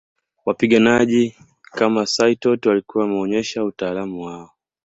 Wapiganaji kama Saitoti walikuwa wameonyesha utaalam wao